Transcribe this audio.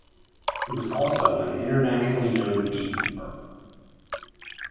He was also an internationally known beekeeper.